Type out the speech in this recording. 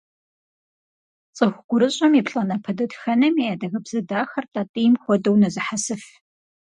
ЦӀыху гурыщӀэм и плӀанэпэ дэтхэнэми адыгэбзэ дахэр тӀатӀийм хуэдэу нэзыхьэсыф.